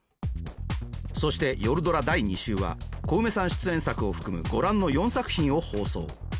そして「夜ドラ」第２週はコウメさん出演作を含む御覧の４作品を放送。